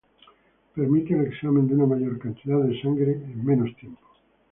Permite el examen de una mayor cantidad de sangre en menos tiempo.